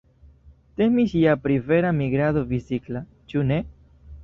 Temis ja pri vera migrado bicikla, ĉu ne?